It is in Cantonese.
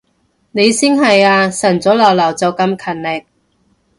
你先係啊，晨早流流就咁勤力